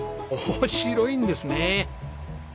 おお白いんですね。